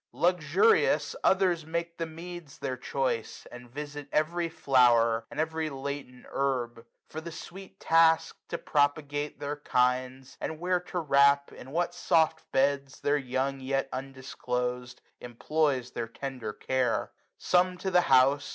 Luxurious, others make The meads their choice, and visit every flower. And every latent herb : for the sweet task. To propagate their kinds, and where to wrap. In what soft beds, their young yet undisclosed, 260 Employs their tender care. Some to the house.